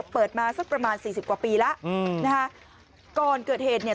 เปิดมาสักประมาณสี่สิบกว่าปีแล้วอืมนะฮะก่อนเกิดเหตุเนี่ย